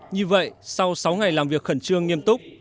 như vậy sau sáu ngày làm việc khẩn trương nghiêm túc